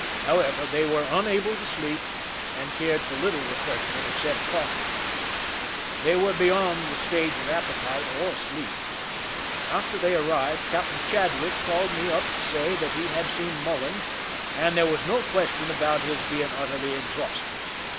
However, they were unable to sleep, and cared for little refreshment except coffee. They were beyond the stage of appetite or sleep. After they arrived. Captain Ch^bdwick called me up to say that he had seen Mullen, and there was no question about his being utterly exhausted.